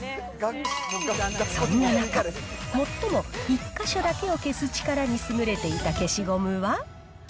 そんな中、最も１か所だけを消す力に優れていた消しゴムは？